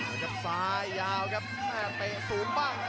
แล้วกับซ้ายยาวครับน่าจะเตะสูงบ้าง